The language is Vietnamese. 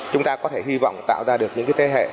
chúng ta có thể hy vọng tạo ra được những thế hệ